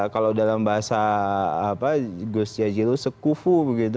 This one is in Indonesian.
kalau dalam bahasa gustia jilu sekufu